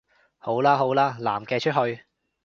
好喇好喇，男嘅出去